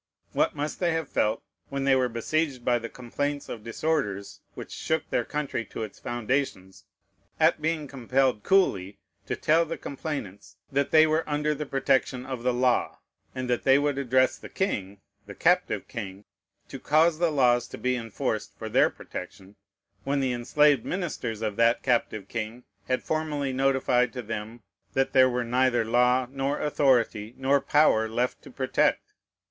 What must they have felt, when they were besieged by complaints of disorders which shook their country to its foundations, at being compelled coolly to tell the complainants that they were under the protection of the law, and that they would address the king (the captive king) to cause the laws to be enforced for their protection, when the enslaved ministers of that captive king had formally notified to them that there were neither law nor authority nor power left to protect!